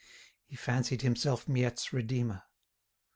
He fancied himself Miette's redeemer.